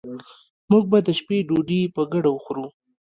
موږ به د شپې ډوډي په ګډه وخورو